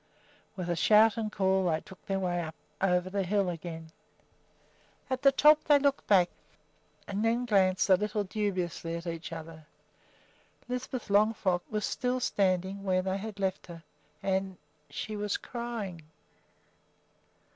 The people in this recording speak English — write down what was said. With shout and call they took their way up over the hill again. At the top they looked back and then glanced a little dubiously at each other. Lisbeth Longfrock was still standing where they had left her, and she was crying!